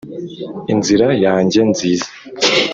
inzira yanjye nziza